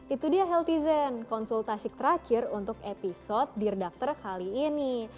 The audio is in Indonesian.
itu dia healthyzen konsultasik terakhir untuk episode dear doctor kali ini